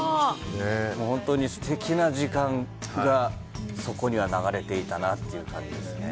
本当に素敵な時間がそこには流れていたなという感じですね。